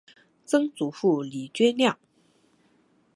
曾祖父李均亮。